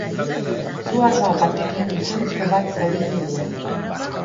Su-arma batekin gizonezko bat zauritu dute.